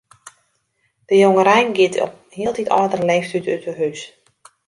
De jongerein giet op hieltyd âldere leeftiid út 'e hús.